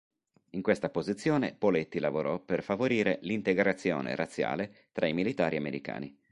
In questa posizione Poletti lavorò per favorire l'integrazione razziale tra i militari americani.